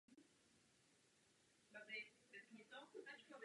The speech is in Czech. To by s ekonomicky významnou severojižní stezkou mohlo bezprostředně souviset.